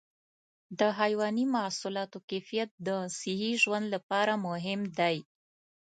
د حيواني محصولاتو کیفیت د صحي ژوند لپاره مهم دی.